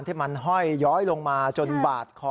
ที่มันห้อยย้อยลงมาจนบาดคอ